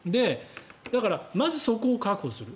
だから、まずそこを確保する。